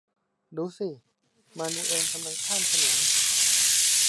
ดูสิ มานูเอลกำลังข้ามถนน